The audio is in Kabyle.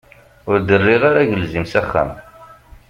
Ur d-rriɣ ara agelzim s axxam.